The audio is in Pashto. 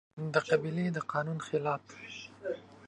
د قبيلې د قانون خلاف